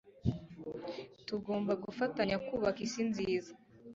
T Tugomba gufatanya kubaka isi nziza.